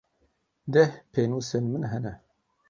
Deh pênûsên min hene.